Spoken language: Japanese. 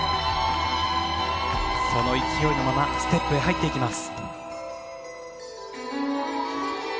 その勢いのままステップに入っていきます。